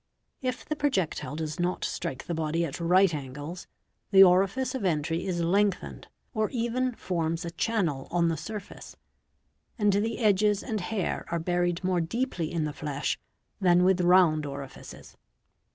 If the projectile does not strike the body at right angles, the orifice of entry is lengthened or even forms a channel on the surface, and the edges and hair are buried more deeply in the flesh than with round orifices.